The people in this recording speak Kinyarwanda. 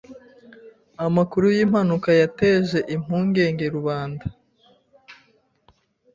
Amakuru yimpanuka yateje impungenge rubanda.